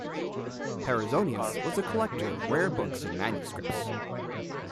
Perizonius was a collector of rare books and manuscripts.